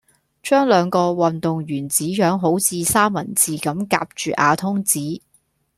將兩個運動員紙樣好似三文治咁夾住瓦通紙